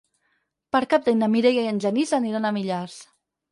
Per Cap d'Any na Mireia i en Genís aniran a Millars.